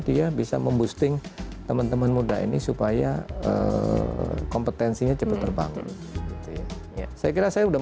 dia bisa memboosting teman teman muda ini supaya kompetensinya cepat terbangun saya kira saya udah